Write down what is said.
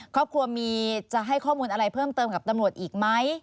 ครอบครัวมีจะให้ข้อมูลอะไรเพิ่มเติมกับตำรวจอีกไหม